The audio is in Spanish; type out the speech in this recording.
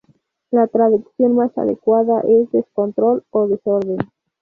La traducción más adecuada es "Descontrol" o "Desorden".